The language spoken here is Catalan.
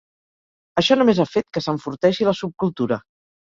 Això només ha fet que s'enforteixi la subcultura.